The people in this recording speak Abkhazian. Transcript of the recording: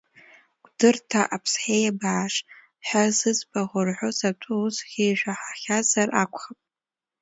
Кәдырҭа Аԥсҳеибааш ҳәа зыӡбахә рҳәоз атәы усгьы ишәаҳахьазар акәхап.